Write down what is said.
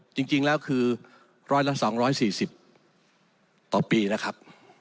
จริงแล้วคือ๑๐๐ละ๒๔๐ต่อปีนะครับ